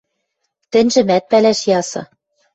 – Тӹньжӹмӓт пӓлӓш ясы.